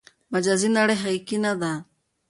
مجازي نړۍ حقیقي نه ده.